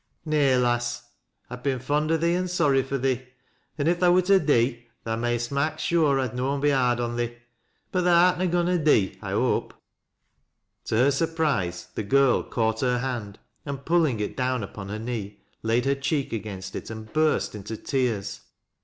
" Nay, lass. IVe been fond o' thee, an' sorry fur thee and if tha wu^ to dee tha mayst tnak' sure I'd noan he hard on thee But tha art ua goin' to dee, I hope." To her surprise the girl caught her hand, and, pulling it down upon her knee, laid her cheek against it and burst iiitc tears.